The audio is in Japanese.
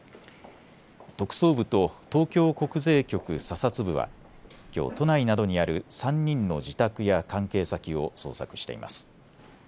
特捜部と東京国税局査察部はきょう都内などにある３人の自宅や関係先を捜索しています。